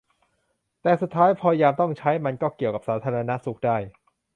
แต่สุดท้ายพอยามต้องใช้ มันก็เกี่ยวกับสาธาณสุขได้